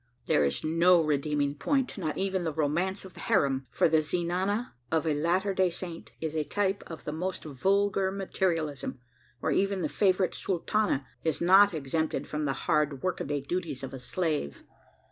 There is no redeeming point not even the "romance of the harem" for the zenana of a Latter day Saint is a type of the most vulgar materialism, where even the favourite sultana is not exempted from the hard work a day duties of a slave.